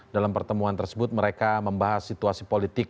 dalam pertemuan tersebut mereka membahas situasi politik